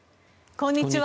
こんにちは。